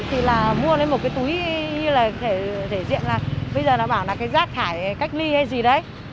thì là mua lên một cái túi như là để diện là bây giờ nó bảo là cái rác thải cách ly hay gì đấy